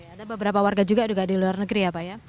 ada beberapa warga juga di luar negeri ya pak ya